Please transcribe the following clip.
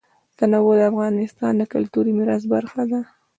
تنوع د افغانستان د کلتوري میراث برخه ده.